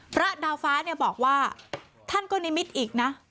พระดาวฟ้าเนี่ยบอกว่าท่านก็นิมิตอีกนะ